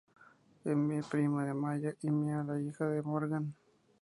Es prima de Maya y Mia y la hija de Morgan.